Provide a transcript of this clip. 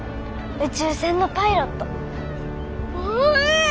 宇宙船のパイロット。ばえー！